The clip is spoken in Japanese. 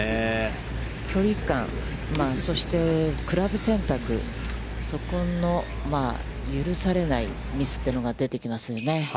距離感、そしてクラブ選択、そこの許されないミスというのが出てきますよね。